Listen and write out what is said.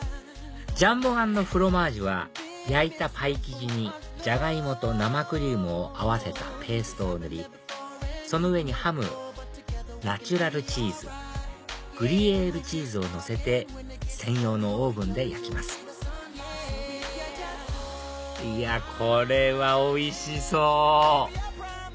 ジャンボン＆フロマージュは焼いたパイ生地にジャガイモと生クリームを合わせたペーストを塗りその上にハムナチュラルチーズグリエールチーズをのせて専用のオーブンで焼きますいやこれはおいしそう！